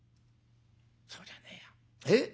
そうじゃねえやええ？